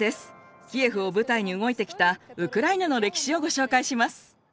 キエフを舞台に動いてきたウクライナの歴史をご紹介します。